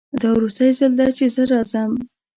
دا وروستی ځل ده چې زه راځم